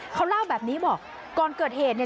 เขาเล่าแบบนี้บอกก่อนเกิดเหตุเนี่ย